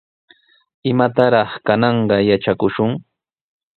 ¿Imatataq kananqa yatrakushun?